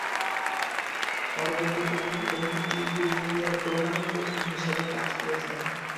পরবর্তীতে তিনি এমটিভি ইন্ডিয়ার প্রোগ্রামিং প্রধান হিসেবে কাজ করেছেন।